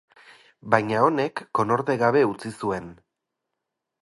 Baina honek konorte gabe utzi zuen.